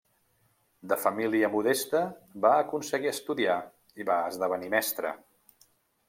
De família modesta va aconseguir estudiar i va esdevenir mestre.